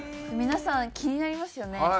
皆さん気になりますよね？